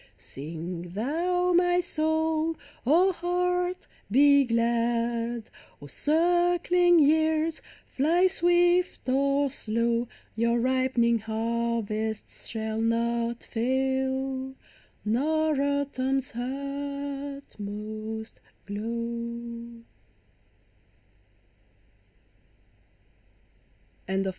Sing thou, my soul ! O heart, be glad ! O circling years, fly swift or slow ! Your ripening harvests shall not fail, Nor autumn's utmost crlow.